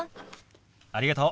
ありがとう。